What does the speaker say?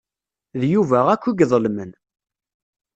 D Yuba akk i iḍelmen.